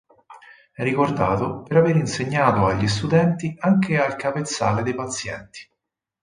È ricordato per aver insegnato agli studenti anche al capezzale dei pazienti.